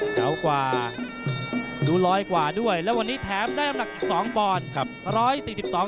กล่าวกวาดูร้อยกว่าด้วยแล้ววันนี้แถมได้อำหนักสองบอร์น